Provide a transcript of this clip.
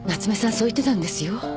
そう言ってたんですよ。